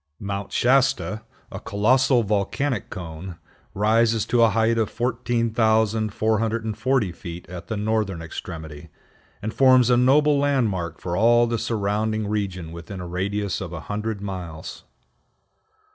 Mount Shasta, a colossal volcanic cone, rises to a height of 14,440 feet at the northern extremity, and forms a noble landmark for all the surrounding region within a radius of a hundred miles.